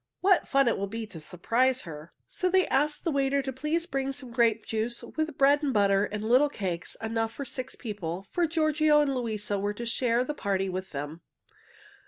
"What fun it will be to surprise her!" So they asked the waiter to please bring some grape juice, with bread and butter and little cakes, enough for six people, for Giorgio and Luisa were to share the party with them.